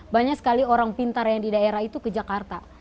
banyak sekali orang pintar yang di daerah itu ke jakarta